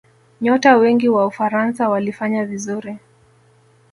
nyota wengi wa ufaransa walifanya vizuri